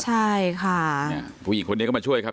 ใช่ค่ะเนี่ยผู้หญิงคนนี้ก็มาช่วยครับ